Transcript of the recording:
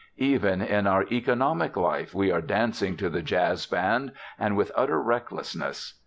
"Even in our economic life we are dancing to the jazz band and with utter recklessness.